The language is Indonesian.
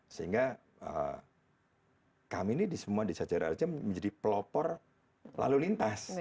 sehingga kami ini semua di sajar arja menjadi pelopor lalu lintas